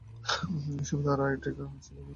এ সময়ে তাঁর আরো করেকটি ছেলে-মেয়ের জন্ম হয়।